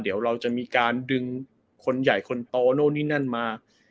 เดี๋ยวเราจะมีการดึงคนใหญ่คนโตโน่นนี่นั่นมา